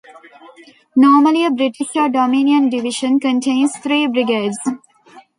Normally a British or dominion division contains three brigades.